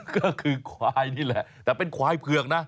ก็คือควายนี่แหละแต่เป็นควายเผือกนะ